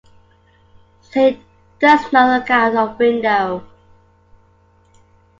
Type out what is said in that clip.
So he does not look out of window.